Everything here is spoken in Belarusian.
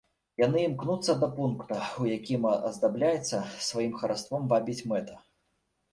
Яны імкнуцца да пункта, у якім аздабляецца, сваім хараством вабіць мэта.